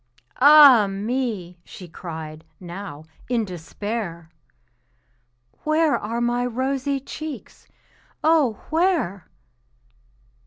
"Ah, me!" she cried, now, in despair, "Where are my rosy cheeks oh, where?"